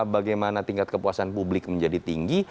bagaimana tingkat kepuasan publik menjadi tinggi